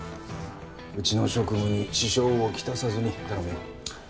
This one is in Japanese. うちの職務に支障を来さずに頼むよ。